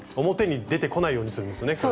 表に出てこないようにするんですよね